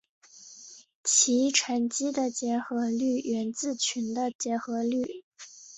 其乘积的结合律源自群的结合律。